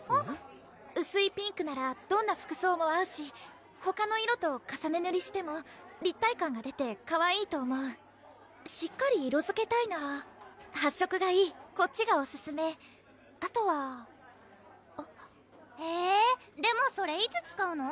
うすいピンクならどんな服装も合うしほかの色と重ねぬりしても立体感が出てかわいいと思うしっかり色づけたいなら発色がいいこっちがオススメあとはへぇでもそれいつ使うの？